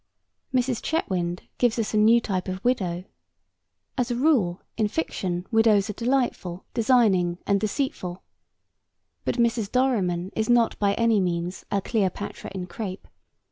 Mrs. Chetwynd gives us a new type of widow. As a rule, in fiction widows are delightful, designing and deceitful; but Mrs. Dorriman is not by any means a Cleopatra in crape.